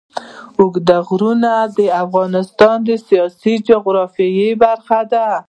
اوږده غرونه د افغانستان د سیاسي جغرافیه برخه ده.